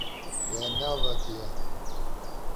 We neavêtiye.